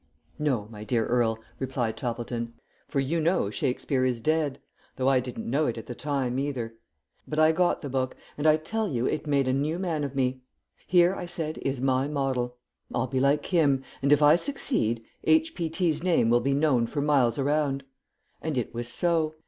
"No, my dear Earl," replied Toppleton. "For you know Shakespeare is dead though I didn't know it at the time, either. But I got the book, and I tell you it made a new man of me. 'Here' I said, 'is my model. I'll be like him, and if I succeed, H. P. T.'s name will be known for miles around.' And it was so.